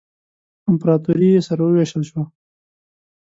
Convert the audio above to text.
امپراطوري یې سره ووېشل شوه.